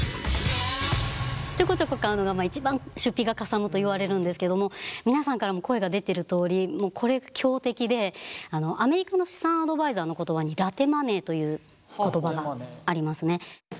ちょこちょこ買うのが一番出費がかさむといわれるんですけども皆さんからも声が出てるとおりこれが強敵でアメリカの資産アドバイザーの言葉にラテマネーという言葉がありますね。